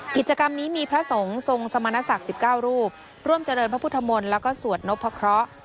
กิจกรรมนี้มีพระสงฆ์ทรงสมณศักดิ์๑๙รูปร่วมเจริญพระพุทธมนตร์แล้วก็สวดนพะเคราะห์